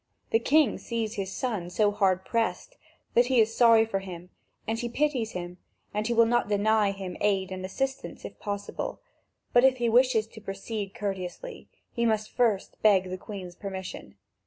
The king sees his son so hard pressed that he is sorry for him and he pities him, and he will not deny him aid and assistance if possible; but if he wishes to proceed courteously, he must first beg the Queen's permission.